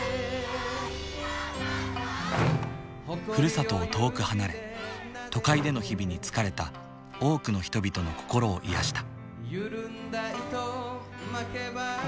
ふるさとを遠く離れ都会での日々に疲れた多くの人々の心を癒やした。